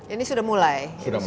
ini sudah mulai